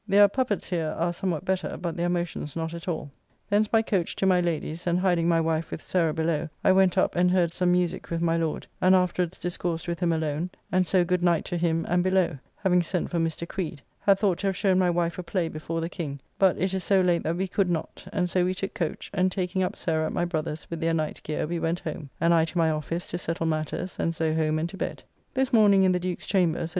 Their puppets here are somewhat better, but their motions not at all. Thence by coach to my Lady's, and, hiding my wife with Sarah below, I went up and heard some musique with my Lord, and afterwards discoursed with him alone, and so good night to him and below, having sent for Mr. Creed, had thought to have shown my wife a play before the King, but it is so late that we could not, and so we took coach, and taking up Sarah at my brother's with their night geare we went home, and I to my office to settle matters, and so home and to bed. This morning in the Duke's chamber Sir J.